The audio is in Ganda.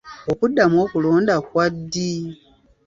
Okuddamu okulonda kwa ddi?